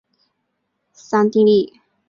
桑蒂利。